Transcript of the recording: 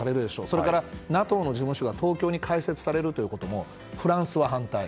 それから、ＮＡＴＯの事務所が東京に開設されることもフランスは反対。